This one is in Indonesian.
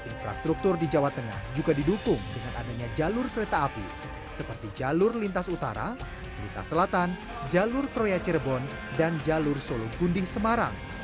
infrastruktur di jawa tengah juga didukung dengan adanya jalur kereta api seperti jalur lintas utara lintas selatan jalur troya cirebon dan jalur solo gunding semarang